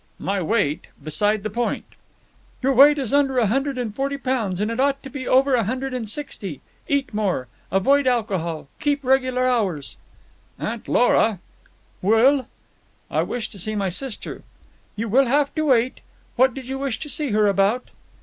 "My weight; beside the point——" "Your weight is under a hundred and forty pounds, and it ought to be over a hundred and sixty. Eat more. Avoid alcohol. Keep regular hours." "Aunt Lora!" "Well?" "I wish to see my sister." "You will have to wait. What did you wish to see her about?"